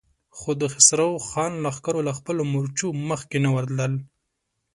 خو د خسرو خان لښکر له خپلو مورچو مخکې نه ورتلل.